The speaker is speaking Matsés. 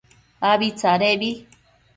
Abi tsadebi